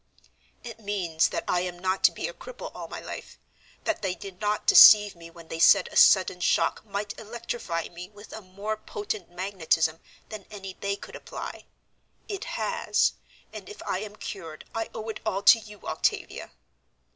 "It means that I am not to be a cripple all my life; that they did not deceive me when they said a sudden shock might electrify me with a more potent magnetism than any they could apply. It has, and if I am cured I owe it all to you, Octavia."